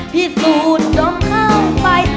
พี่ตูนก็เข้าไป